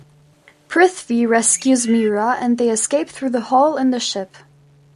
Prithvi rescues Meera and they escape through the hole in the ship.